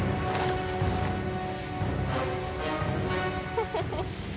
フフフッ